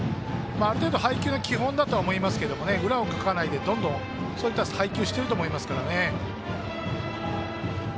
ある程度配球の基本だと思いますけど裏をかかないでどんどんとそういった配球をしてると思いますからね。